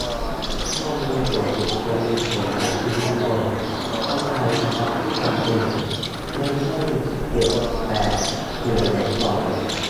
ข้อมูลส่วนบุคคลมีผลกับชีวิตคน ต้องใช้เฉพาะที่จำเป็น ไม่ใช่เก็บแบบ "เผื่อไว้ก่อน"